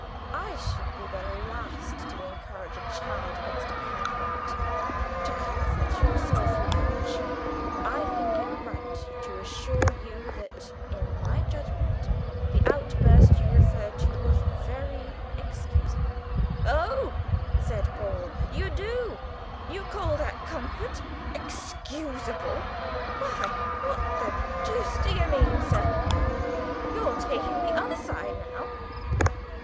I should be the last to encourage a child against a parent, but, to comfort your self reproach, I think it right to assure you that, in my judgment, the outburst you refer to was very excusable." "Oh," said Paul, "you do? You call that comfort? Excusable! Why, what the dooce do you mean, sir? You're taking the other side now!"